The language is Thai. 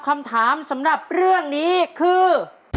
คำถามสำหรับเรื่องนี้คือ